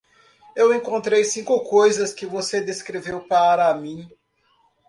Eu encontrei cinco coisas que você descreveu para mim.